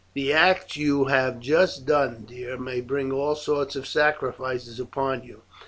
The act you have just done, dear, may bring all sorts of sacrifices upon you.